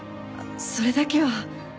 それだけは。